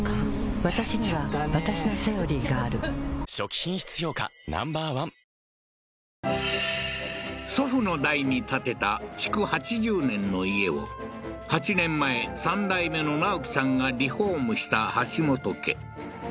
わたしにはわたしの「セオリー」がある初期品質評価Ｎｏ．１祖父の代に建てた築８０年の家を８年前３代目の直樹さんがリフォームした橋本家